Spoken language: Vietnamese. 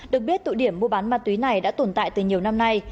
được biết tụ điểm mua bán ma túy này đã tồn tại từ nhiều năm nay